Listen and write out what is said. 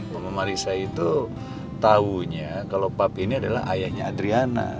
mama marisa itu taunya kalau papi ini adalah ayahnya adriana